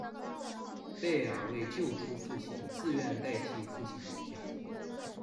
贝儿为救出父亲自愿代替父亲留下。